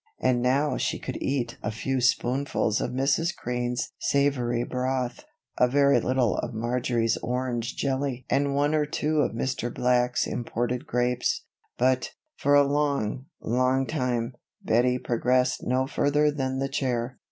And now she could eat a few spoonfuls of Mrs. Crane's savory broth, a very little of Marjory's orange jelly and one or two of Mr. Black's imported grapes. But, for a long, long time, Bettie progressed no further than the chair.